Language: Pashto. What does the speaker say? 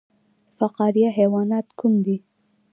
فقاریه حیوانات کوم دي؟